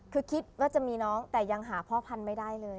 คือคิดว่าจะมีน้องแต่ยังหาพ่อพันธุ์ไม่ได้เลย